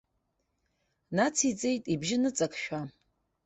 Нациҵеит, ибжьы ныҵакшәа.